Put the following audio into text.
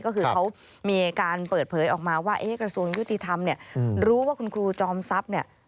ก็คือเขามีการเปิดเผยออกมาว่ากระทรวงยุติธรรมเนี่ยรู้ว่าคุณครูจอมทรัพย์เนี่ย